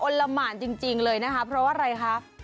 ละหมานจริงเลยนะคะเพราะว่าอะไรคะ